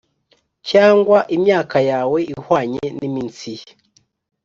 cyangwa imyaka yawe ihwanye n’iminsi ye,